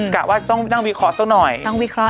กะว่าต้องนั่งวิเคราะห์สักหน่อยนั่งวิเคราะ